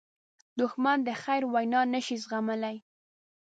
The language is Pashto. دښمن د خیر وینا نه شي زغملی